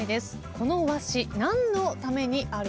「この和紙何のためにある？